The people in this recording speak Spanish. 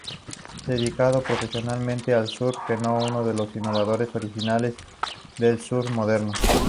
Dedicado profesionalmente al surf fue uno de los innovadores originales del surf moderno.